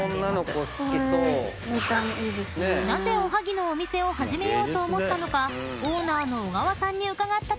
［なぜおはぎのお店を始めようと思ったのかオーナーの小川さんに伺ったところ］